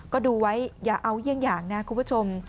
ก็ดูไว้อย่าเอาเยี่ยงอย่างนะคุณผู้ชม